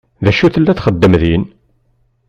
D acu tella txeddem din?